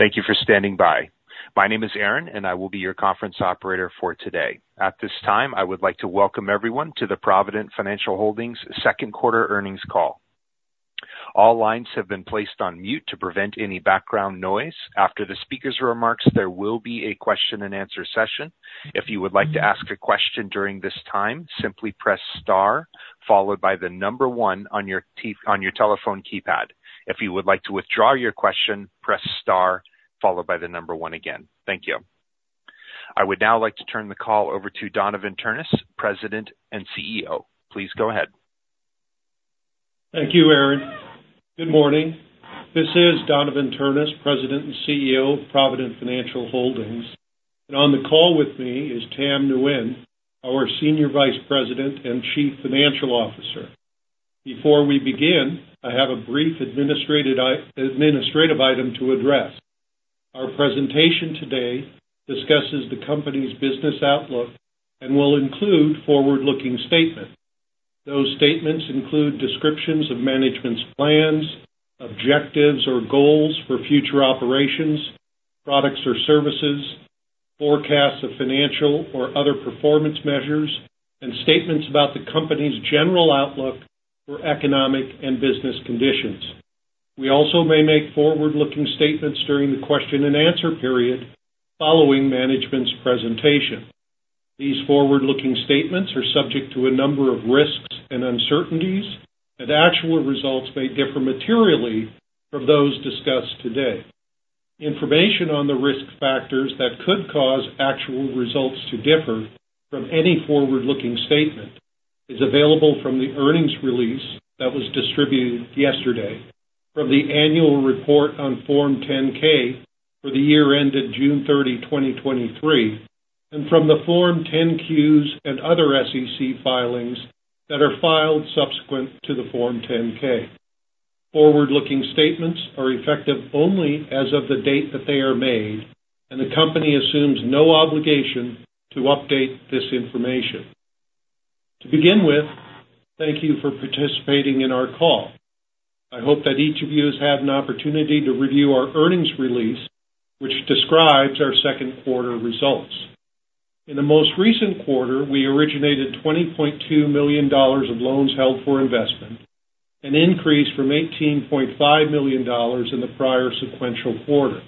Thank you for standing by. My name is Aaron, and I will be your conference operator for today. At this time, I would like to welcome everyone to the Provident Financial Holdings second quarter earnings call. All lines have been placed on mute to prevent any background noise. After the speaker's remarks, there will be a question-and-answer session. If you would like to ask a question during this time, simply press star followed by the number one on your telephone keypad. If you would like to withdraw your question, press star followed by the number one again. Thank you. I would now like to turn the call over to Donavon Ternes, President and CEO. Please go ahead. Thank you, Aaron. Good morning. This is Donavon Ternes, President and CEO of Provident Financial Holdings, and on the call with me is Tam Nguyen, our Senior Vice President and Chief Financial Officer. Before we begin, I have a brief administrative item to address. Our presentation today discusses the company's business outlook, and will include forward-looking statements. Those statements include descriptions of management's plans, objectives, or goals for future operations, products or services, forecasts of financial, or other performance measures, and statements about the company's general outlook for economic, and business conditions. We also may make forward-looking statements during the question-and-answer period following management's presentation. These forward-looking statements are subject to a number of risks and uncertainties, and actual results may differ materially from those discussed today. Information on the risk factors that could cause actual results to differ from any forward-looking statement is available from the earnings release that was distributed yesterday, from the annual report on Form 10-K for the year ended June 30, 2023, and from the Form 10-Qs and other SEC filings that are filed subsequent to the Form 10-K. Forward-looking statements are effective only as of the date that they are made, and the company assumes no obligation to update this information. To begin with, thank you for participating in our call. I hope that each of you has had an opportunity to review our earnings release, which describes our second quarter results. In the most recent quarter, we originated $20.2 million of loans held for investment, an increase from $18.5 million in the prior sequential quarter.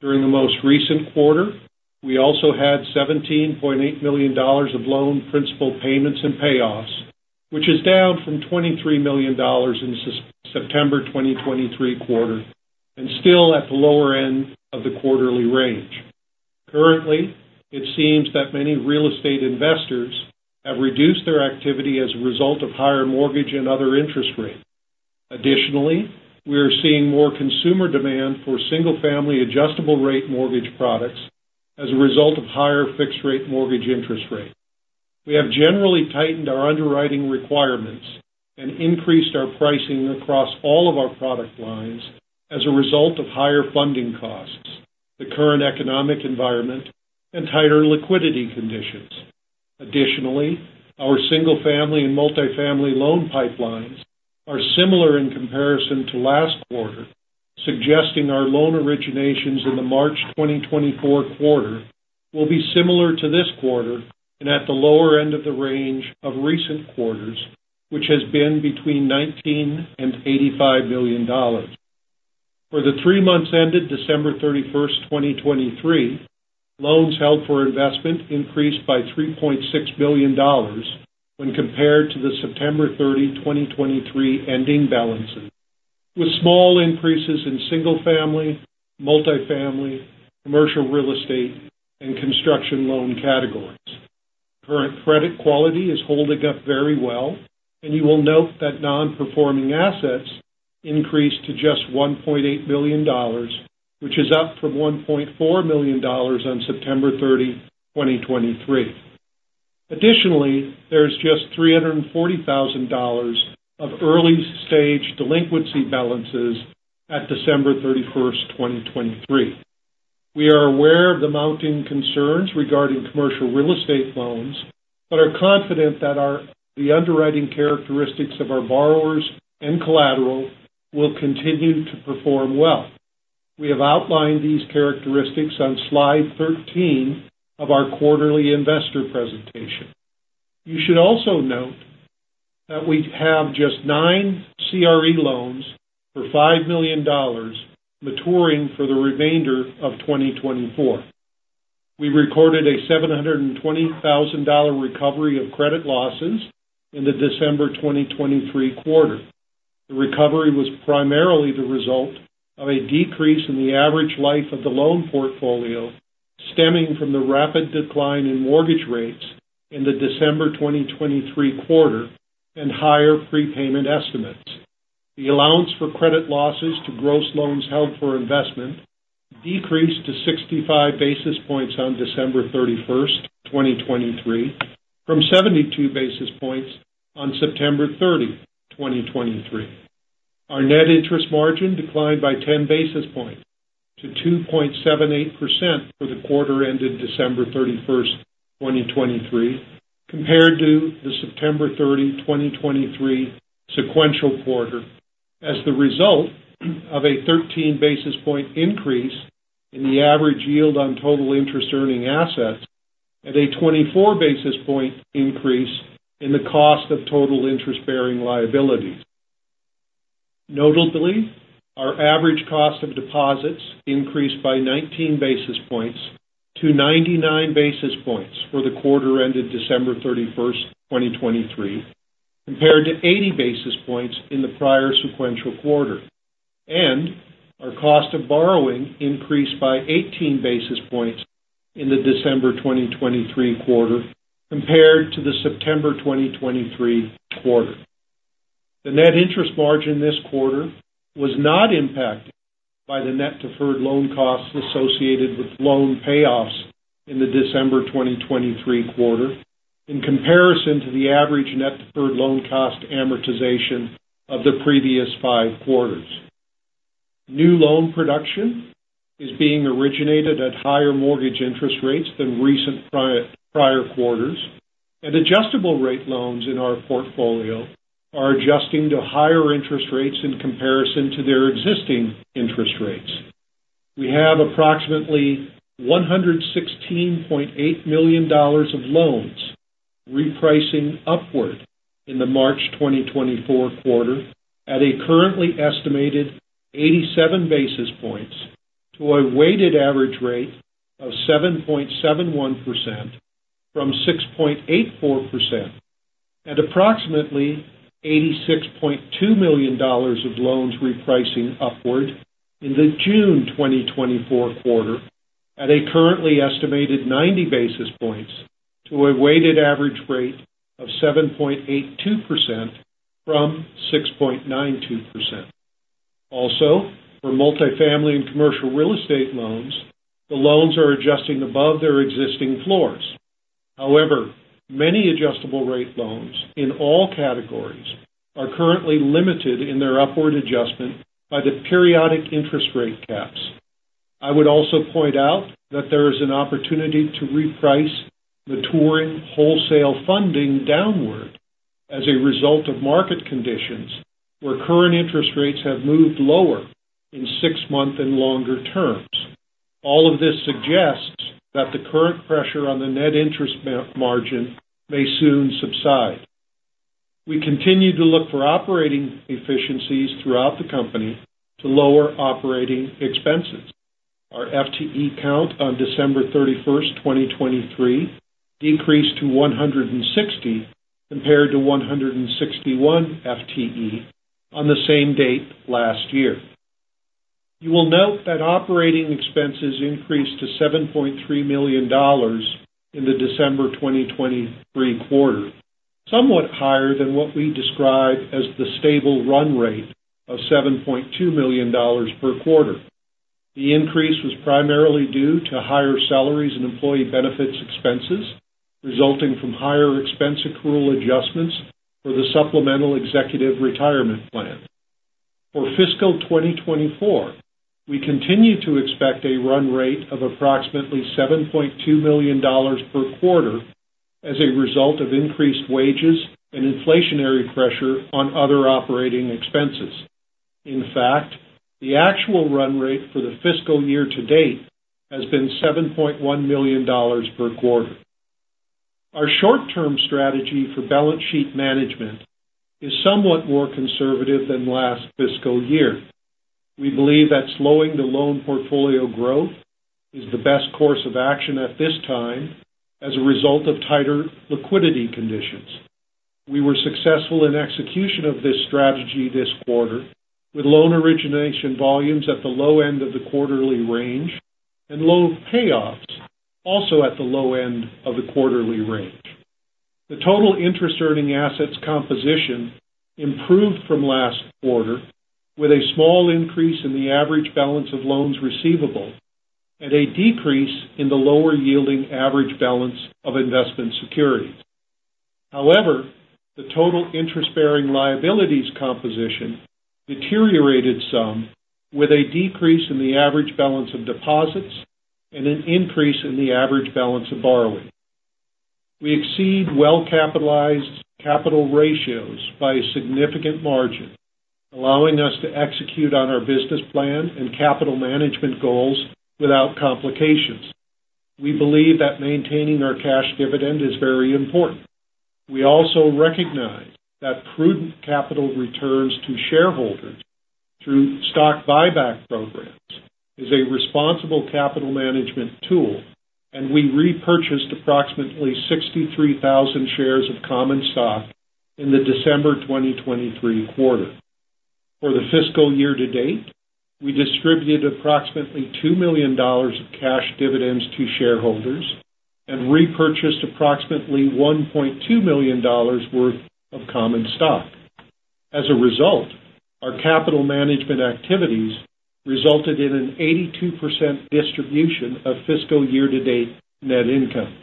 During the most recent quarter, we also had $17.8 million of loan principal payments and payoffs, which is down from $23 million in the September 2023 quarter and still at the lower end of the quarterly range. Currently, it seems that many real estate investors have reduced their activity as a result of higher mortgage, and other interest rates. Additionally, we are seeing more consumer demand for single-family adjustable-rate mortgage products as a result of higher fixed-rate mortgage interest rates. We have generally tightened our underwriting requirements, and increased our pricing across all of our product lines as a result of higher funding costs, the current economic environment, and tighter liquidity conditions. Additionally, our single-family and multifamily loan pipelines are similar in comparison to last quarter, suggesting our loan originations in the March 2024 quarter will be similar to this quarter and at the lower end of the range of recent quarters, which has been between $19 million and $85 million. For the three months ended December 31st, 2023, loans held for investment increased by $3.6 billion when compared to the September 30, 2023, ending balances, with small increases in single family, multifamily, commercial real estate, and construction loan categories. Current credit quality is holding up very well, and you will note that non-performing assets increased to just $1.8 million, which is up from $1.4 million on September 30, 2023. Additionally, there's just $340,000 of early-stage delinquency balances at December 31st, 2023. We are aware of the mounting concerns regarding commercial real estate loans, but are confident that the underwriting characteristics of our borrowers and collateral will continue to perform well. We have outlined these characteristics on slide 13 of our quarterly investor presentation. You should also note that we have just 9 CRE loans for $5 million maturing for the remainder of 2024. We recorded a $720,000 recovery of credit losses in the December 2023 quarter. The recovery was primarily the result of a decrease in the average life of the loan portfolio, stemming from the rapid decline in mortgage rates in the December 2023 quarter and higher prepayment estimates. The allowance for credit losses to gross loans held for investment decreased to 65 basis points on December 31st, 2023, from 72 basis points on September 30, 2023. Our net interest margin declined by 10 basis points to 2.78% for the quarter ended December 31st, 2023, compared to the September 30, 2023 sequential quarter, as the result of a 13 basis point increase in the average yield on total interest earning assets at a 24 basis point increase in the cost of total interest-bearing liabilities. Notably, our average cost of deposits increased by 19 basis points to 99 basis points for the quarter ended December 31st, 2023, compared to 80 basis points in the prior sequential quarter. Our cost of borrowing increased by 18 basis points in the December 2023 quarter compared to the September 2023 quarter. The net interest margin this quarter was not impacted by the net deferred loan costs associated with loan payoffs in the December 2023 quarter in comparison to the average net deferred loan cost amortization of the previous 5 quarters. New loan production is being originated at higher mortgage interest rates than recent prior quarters, and adjustable rate loans in our portfolio are adjusting to higher interest rates in comparison to their existing interest rates. We have approximately $116.8 million of loans repricing upward in the March 2024 quarter at a currently estimated 87 basis points to a weighted average rate of 7.71% from 6.84% at approximately $86.2 million of loans repricing upward in the June 2024 quarter at a currently estimated 90 basis points to a weighted average rate of 7.82% from 6.92%. Also, for multifamily and commercial real estate loans, the loans are adjusting above their existing floors. However, many adjustable rate loans in all categories are currently limited in their upward adjustment by the periodic interest rate caps. I would also point out that there is an opportunity to reprice maturing wholesale funding downward as a result of market conditions, where current interest rates have moved lower in six months and longer terms. All of this suggests that the current pressure on the net interest margin may soon subside. We continue to look for operating efficiencies throughout the company to lower operating expenses. Our FTE count on December 31st, 2023, decreased to 160 compared to 161 FTE on the same date last year. You will note that operating expenses increased to $7.3 million in the December 2023 quarter, somewhat higher than what we describe as the stable run rate of $7.2 million per quarter. The increase was primarily due to higher salaries and employee benefits expenses, resulting from higher expense accrual adjustments for the Supplemental Executive Retirement Plan. For fiscal 2024, we continue to expect a run rate of approximately $7.2 million per quarter as a result of increased wages and inflationary pressure on other operating expenses. In fact, the actual run rate for the fiscal year to date has been $7.1 million per quarter. Our short-term strategy for balance sheet management is somewhat more conservative than last fiscal year. We believe that slowing the loan portfolio growth is the best course of action at this time as a result of tighter liquidity conditions. We were successful in execution of this strategy this quarter, with loan origination volumes at the low end of the quarterly range and loan payoffs also at the low end of the quarterly range. The total interest-earning assets composition improved from last quarter, with a small increase in the average balance of loans receivable and a decrease in the lower-yielding average balance of investment securities. However, the total interest-bearing liabilities composition deteriorated some, with a decrease in the average balance of deposits and an increase in the average balance of borrowing. We exceed well-capitalized capital ratios by a significant margin, allowing us to execute on our business plan and capital management goals without complications. We believe that maintaining our cash dividend is very important. We also recognize that prudent capital returns to shareholders through stock buyback programs is a responsible capital management tool, and we repurchased approximately 63,000 shares of common stock in the December 2023 quarter. For the fiscal year to date, we distributed approximately $2 million of cash dividends to shareholders and repurchased approximately $1.2 million worth of common stock. As a result, our capital management activities resulted in an 82% distribution of fiscal year-to-date net income....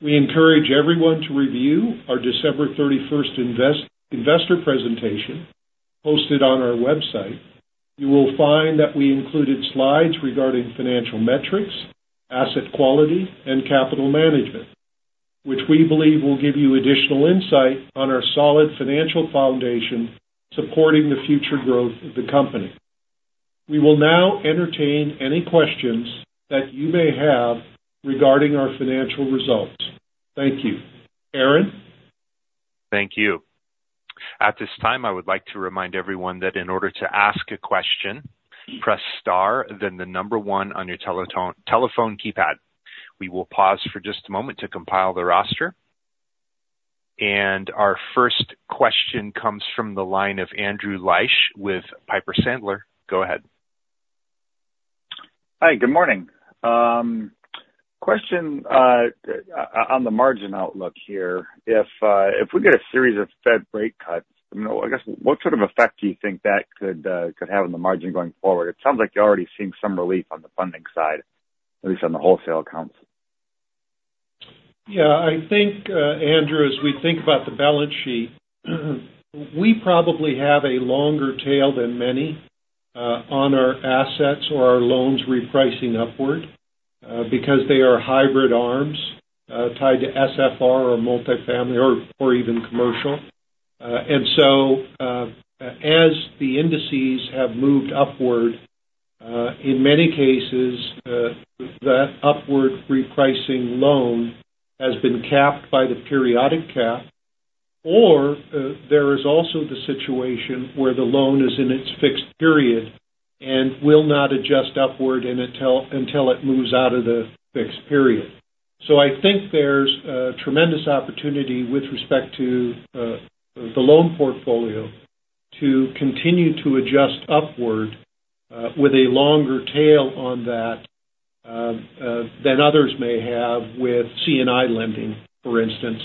We encourage everyone to review our December 31st investor presentation posted on our website. You will find that we included slides regarding financial metrics, asset quality, and capital management, which we believe will give you additional insight on our solid financial foundation supporting the future growth of the company. We will now entertain any questions that you may have regarding our financial results. Thank you. Aaron? Thank you. At this time, I would like to remind everyone that in order to ask a question, press star, then the number one on your telephone keypad. We will pause for just a moment to compile the roster. And our first question comes from the line of Andrew Liesch with Piper Sandler. Go ahead. Hi, good morning. Question on the margin outlook here. If we get a series of Fed rate cuts, you know, I guess, what sort of effect do you think that could have on the margin going forward? It sounds like you're already seeing some relief on the funding side, at least on the wholesale accounts. Yeah, I think, Andrew, as we think about the balance sheet, we probably have a longer tail than many on our assets or our loans repricing upward, because they are hybrid ARMs tied to SFR or multifamily or even commercial. And so, as the indices have moved upward, in many cases, that upward repricing loan has been capped by the periodic cap, or there is also the situation where the loan is in its fixed period and will not adjust upward until it moves out of the fixed period. So I think there's a tremendous opportunity with respect to the loan portfolio to continue to adjust upward, with a longer tail on that than others may have with C&I lending, for instance.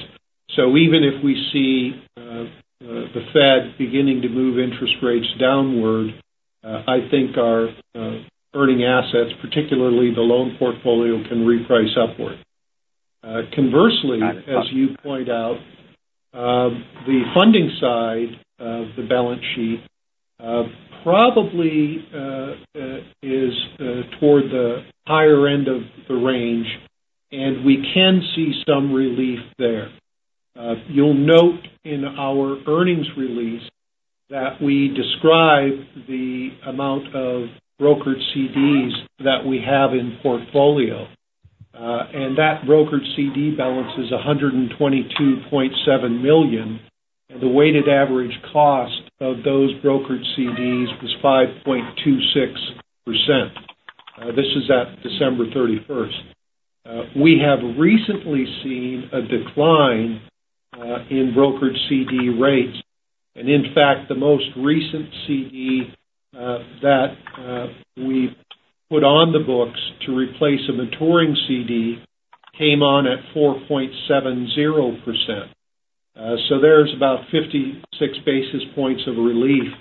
So even if we see the Fed beginning to move interest rates downward, I think our earning assets, particularly the loan portfolio, can reprice upward. Conversely, as you point out, the funding side of the balance sheet probably is toward the higher end of the range, and we can see some relief there. You'll note in our earnings release that we describe the amount of brokered CDs that we have in portfolio. And that brokered CD balance is $122.7 million, and the weighted average cost of those brokered CDs was 5.26%. This is at December 31st. We have recently seen a decline in brokered CD rates. In fact, the most recent CD that we put on the books to replace a maturing CD came on at 4.70%. So there's about 56 basis points of relief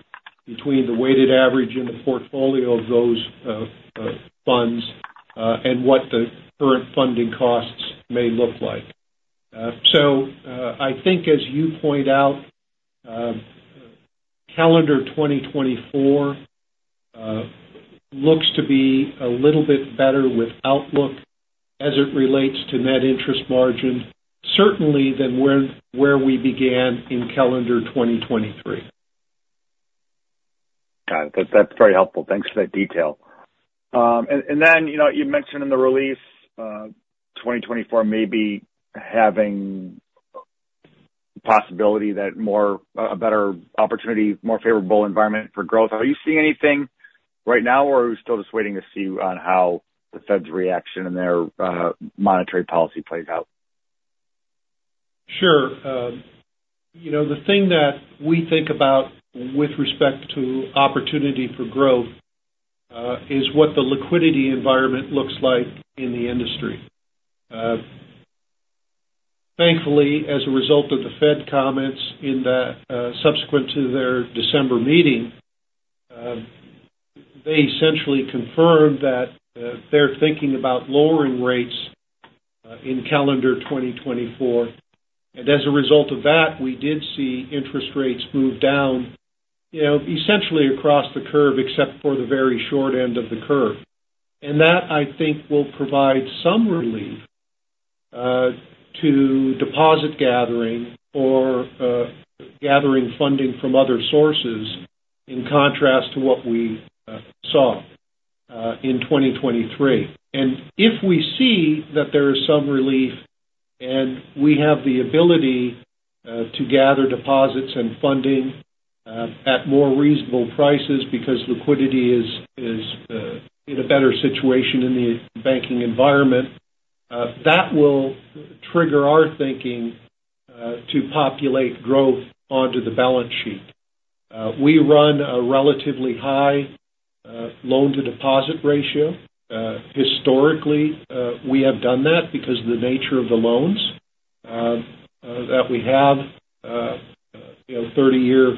between the weighted average and the portfolio of those funds and what the current funding costs may look like. So I think as you point out, calendar 2024 looks to be a little bit better with outlook as it relates to net interest margin, certainly than where we began in calendar 2023. Got it. That's, that's very helpful. Thanks for that detail. And then, you know, you mentioned in the release, 2024, maybe having possibility that more, a better opportunity, more favorable environment for growth. Are you seeing anything right now, or are we still just waiting to see on how the Fed's reaction and their, monetary policy plays out? Sure. You know, the thing that we think about with respect to opportunity for growth is what the liquidity environment looks like in the industry. Thankfully, as a result of the Fed comments in that subsequent to their December meeting, they essentially confirmed that they're thinking about lowering rates in calendar 2024. And as a result of that, we did see interest rates move down, you know, essentially across the curve, except for the very short end of the curve. And that, I think, will provide some relief to deposit gathering or gathering funding from other sources, in contrast to what we saw in 2023. If we see that there is some relief, and we have the ability to gather deposits and funding at more reasonable prices because liquidity is in a better situation in the banking environment, that will trigger our thinking to populate growth onto the balance sheet. We run a relatively high loan-to-deposit ratio. Historically, we have done that because of the nature of the loans that we have, you know, 30-year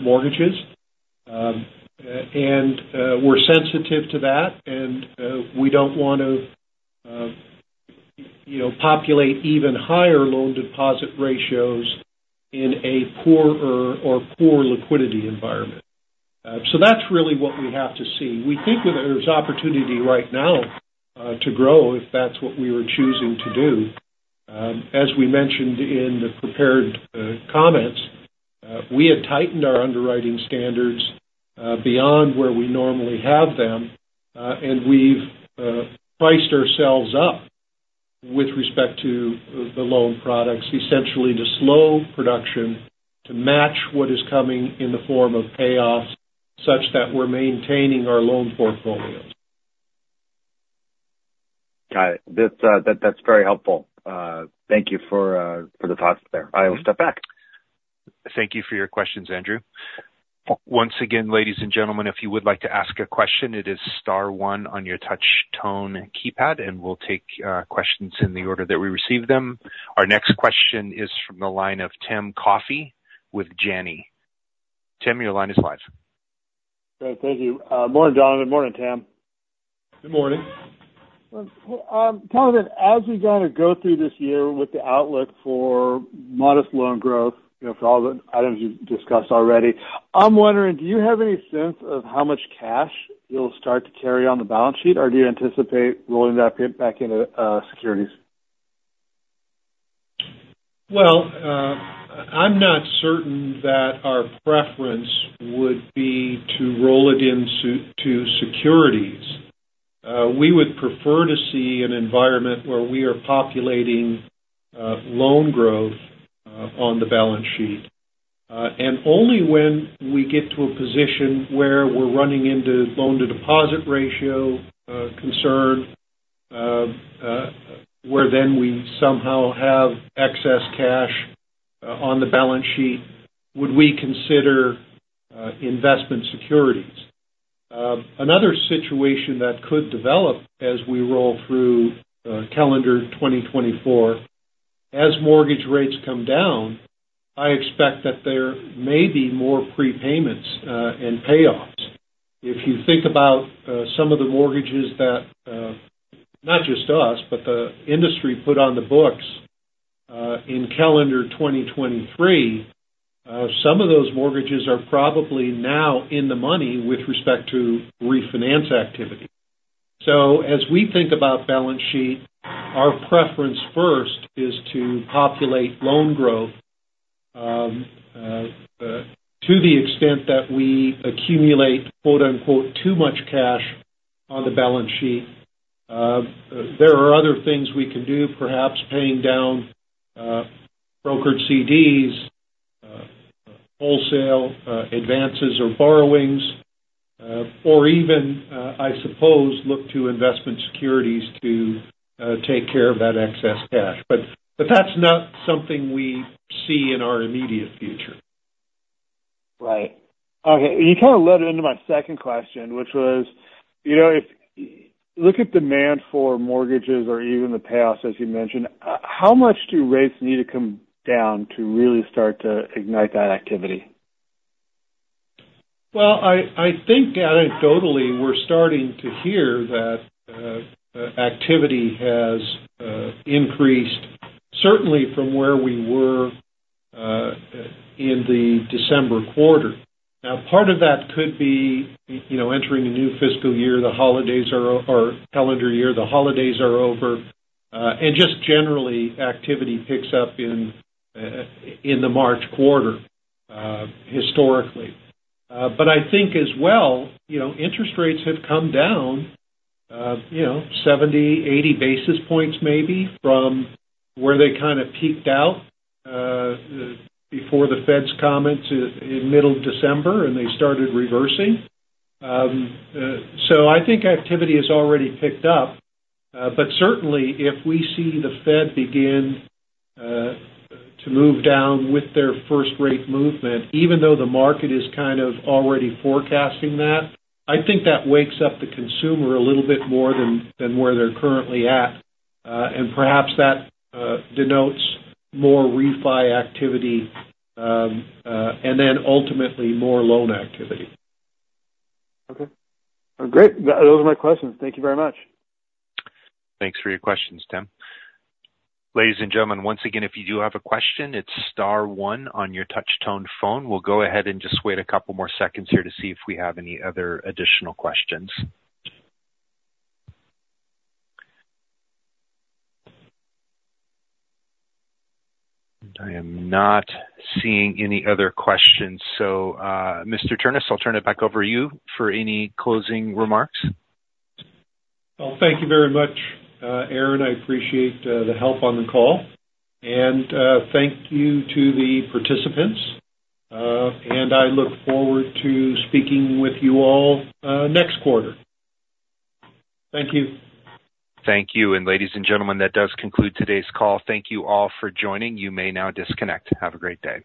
mortgages. And we're sensitive to that, and we don't want to you know, populate even higher loan-to-deposit ratios in a poorer or poor liquidity environment. So that's really what we have to see. We think that there's opportunity right now to grow, if that's what we were choosing to do. As we mentioned in the prepared comments, we had tightened our underwriting standards beyond where we normally have them, and we've priced ourselves up with respect to the loan products, essentially to slow production, to match what is coming in the form of payoffs, such that we're maintaining our loan portfolios. Got it. That's very helpful. Thank you for the thoughts there. I will step back. Thank you for your questions, Andrew. Once again, ladies and gentlemen, if you would like to ask a question, it is star one on your touch tone keypad, and we'll take questions in the order that we receive them. Our next question is from the line of Tim Coffey with Janney. Tim, your line is live. Great. Thank you. Good morning, Don, and good morning, Tam. Good morning. Tell me, as you kind of go through this year with the outlook for modest loan growth, you know, for all the items you've discussed already, I'm wondering, do you have any sense of how much cash you'll start to carry on the balance sheet, or do you anticipate rolling that back into securities? Well, I'm not certain that our preference would be to roll it into securities. We would prefer to see an environment where we are populating loan growth on the balance sheet. And only when we get to a position where we're running into loan-to-deposit ratio concern, where then we somehow have excess cash on the balance sheet, would we consider investment securities. Another situation that could develop as we roll through calendar 2024, as mortgage rates come down, I expect that there may be more prepayments and payoffs. If you think about some of the mortgages that, not just us, but the industry put on the books in calendar 2023, some of those mortgages are probably now in the money with respect to refinance activity. So as we think about balance sheet, our preference first is to populate loan growth. To the extent that we accumulate quote-unquote, "too much cash" on the balance sheet, there are other things we can do, perhaps paying down brokered CDs, wholesale advances or borrowings, or even, I suppose, look to investment securities to take care of that excess cash. But that's not something we see in our immediate future. Right. Okay, and you kind of led into my second question, which was, you know, look at demand for mortgages or even the payoffs, as you mentioned, how much do rates need to come down to really start to ignite that activity? Well, I think anecdotally, we're starting to hear that activity has increased, certainly from where we were in the December quarter. Now, part of that could be, you know, entering a new fiscal year. The holidays are or calendar year, the holidays are over, and just generally, activity picks up in the March quarter, historically. But I think as well, you know, interest rates have come down, you know, 70, 80 basis points, maybe, from where they kind of peaked out before the Fed's comments in middle December, and they started reversing. So, I think activity has already picked up, but certainly if we see the Fed begin to move down with their first rate movement, even though the market is kind of already forecasting that, I think that wakes up the consumer a little bit more than where they're currently at. And perhaps that denotes more refi activity, and then ultimately more loan activity. Okay. Great. Those are my questions. Thank you very much. Thanks for your questions, Tim. Ladies and gentlemen, once again, if you do have a question, it's star one on your touch tone phone. We'll go ahead and just wait a couple more seconds here to see if we have any other additional questions. I am not seeing any other questions, so, Mr. Ternes, I'll turn it back over to you for any closing remarks. Well, thank you very much, Aaron. I appreciate the help on the call. And, thank you to the participants, and I look forward to speaking with you all, next quarter. Thank you. Thank you. Ladies and gentlemen, that does conclude today's call. Thank you all for joining. You may now disconnect. Have a great day.